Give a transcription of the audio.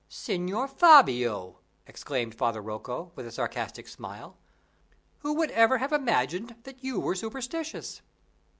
"Signor Fabio!" exclaimed Father Rocco, with a sarcastic smile, "who would ever have imagined that you were superstitious?"